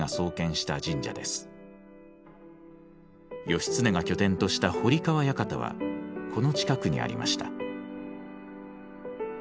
義経が拠点とした堀川館はこの近くにありました。